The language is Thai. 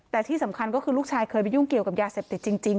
แต่ที่สำคัญก็คือลูกชายเคยไปยุ่งเกี่ยวกับยาเสพติดจริง